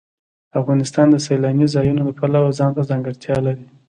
افغانستان د سیلانی ځایونه د پلوه ځانته ځانګړتیا لري.